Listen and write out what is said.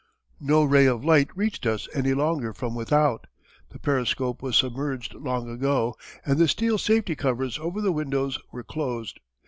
No ray of light reached us any longer from without, the periscope was submerged long ago and the steel safety covers over the windows were closed.